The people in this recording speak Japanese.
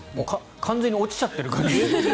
完全に落ちちゃってる感じ。